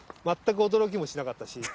全く驚きもしなかったし。